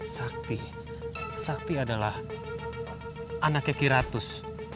sakti sakti adalah anaknya kiratus